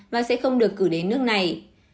và sẽ không được cử đến nước này